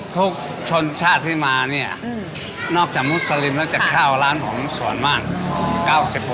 ทุกชนชาติที่มานอกจากมุสลิมแล้วจากข้าวร้านของสวรรค์มาก๙๐